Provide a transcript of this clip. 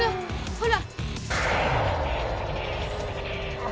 ほら。